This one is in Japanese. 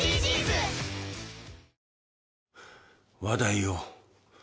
話題を。